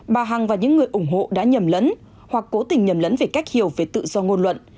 bà hằng và những người ủng hộ đã nhầm lẫn hoặc cố tình nhầm lẫn về cách hiểu về tự do ngôn luận